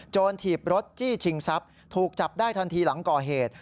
ถีบรถจี้ชิงทรัพย์ถูกจับได้ทันทีหลังก่อเหตุ